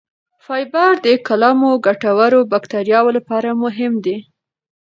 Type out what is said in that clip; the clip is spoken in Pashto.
فایبر د کولمو ګټورو بکتریاوو لپاره مهم دی.